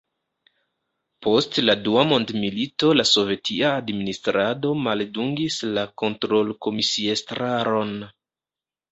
Post la Dua mondmilito la sovetia administrado maldungis la kontrolkomisiestraron.